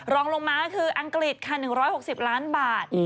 รองลงมาก็คืออังกฤษค่ะ๑๖๐ล้านบาท